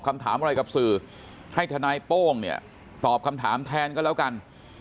คำถามอะไรกับสื่อให้ทนายโป้งเนี่ยตอบคำถามแทนก็แล้วกัน